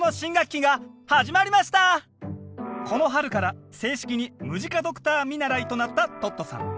この春から正式にムジカドクター見習いとなったトットさん。